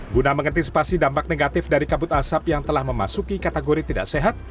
guna mengantisipasi dampak negatif dari kabut asap yang telah memasuki kategori tidak sehat